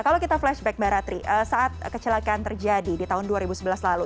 kalau kita flashback mbak ratri saat kecelakaan terjadi di tahun dua ribu sebelas lalu